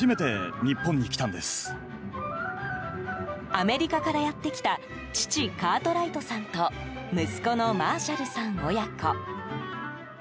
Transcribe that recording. アメリカからやってきた父カートライトさんと息子のマーシャルさん親子。